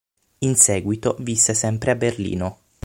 In seguito visse sempre a Berlino.